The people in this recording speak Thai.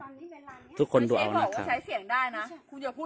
มันต้องกินด้วยกันเขาไม่ได้แยกกันมานอนถูกป่ะ